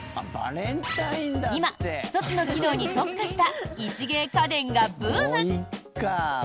今、１つの機能に特化した一芸家電がブーム！